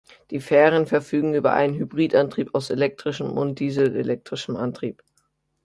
Die Fähren verfügen über einen Hybridantrieb aus elektrischem und dieselelektrischem Antrieb.